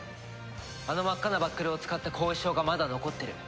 あの真っ赤なバックルを使った後遺症がまだ残ってる。